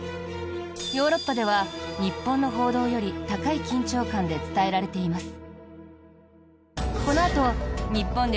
ヨーロッパでは日本の報道より高い緊張感で伝えられています。